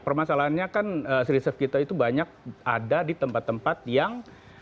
permasalahannya kan reserve kita itu banyak ada di tempat tempat yang